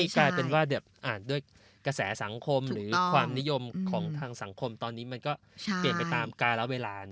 กระแสศังคมริยมความนิยมของทางสังคมตอนนี้เปลี่ยนไปติดตามกลายและเวลา